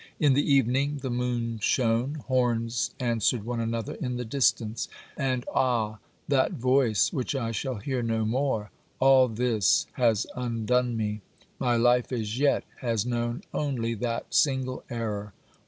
In the evening, the moon shone; horns answered one another in the distance. And ah, that voice which I shall hear no more ! All this has undone me. My life as yet has known only that single error.